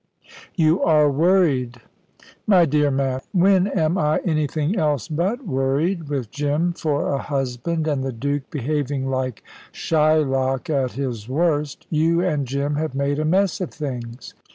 "You are worried." "My dear man, when am I anything else but worried, with Jim for a husband, and the Duke behaving like Shylock at his worst? You and Jim have made a mess of things."